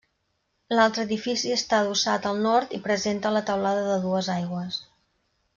L'altre edifici està adossat al nord i presenta la teulada de dues aigües.